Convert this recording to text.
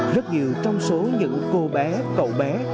rất nhiều trong số những cô bé cậu bé